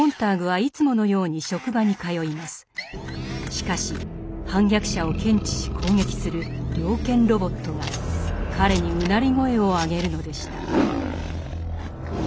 しかし反逆者を検知し攻撃する猟犬ロボットが彼にうなり声を上げるのでした。